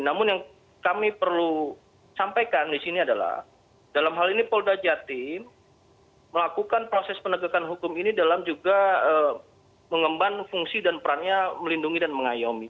namun yang kami perlu sampaikan di sini adalah dalam hal ini polda jatim melakukan proses penegakan hukum ini dalam juga mengemban fungsi dan perannya melindungi dan mengayomi